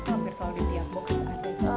itu hampir selalu di tiap box aja